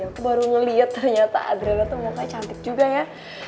aku baru ngeliat ternyata adriana tuh makanya cantik juga ya